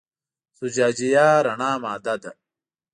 زجاجیه رڼه ماده ده.